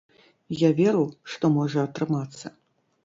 Я веру, што можа атрымацца.